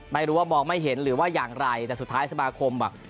ไม่รู้ว่ามองไม่เห็นหรือว่าอย่างไรแต่สุดท้ายสมาคมแบบ